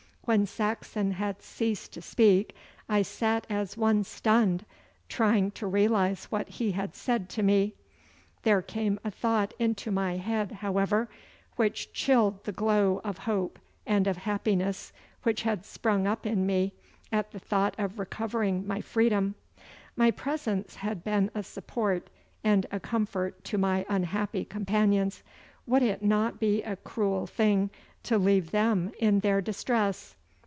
When Saxon had ceased to speak I sat as one stunned, trying to realise what he had said to me. There came a thought into my head, however, which chilled the glow of hope and of happiness which had sprung up in me at the thought of recovering my freedom. My presence had been a support and a comfort to my unhappy companions. Would it not be a cruel thing to leave them in their distress?